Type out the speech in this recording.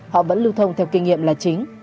họ vẫn lưu thông theo kinh nghiệm là chính